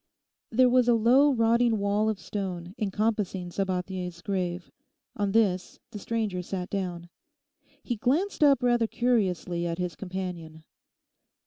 There was a low rotting wall of stone encompassing Sabathier's grave; on this the stranger sat down. He glanced up rather curiously at his companion.